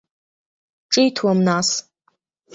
Ҿиҭуам, нас.